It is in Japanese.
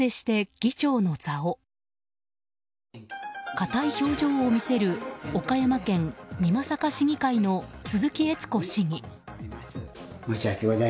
硬い表情を見せる岡山県美作市議会の鈴木悦子市議。